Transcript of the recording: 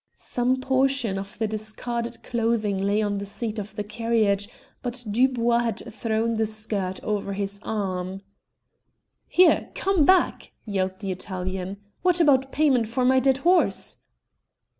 Some portion of the discarded clothing lay on the seat of the carriage, but Dubois had thrown the skirt over his arm. "Here! Come back!" yelled the Italian. "What about payment for my dead horse?"